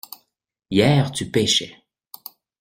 Hier tu pêchais.